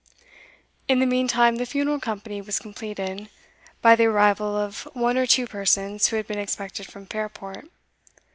In the meantime, the funeral company was completed, by the arrival of one or two persons who had been expected from Fairport.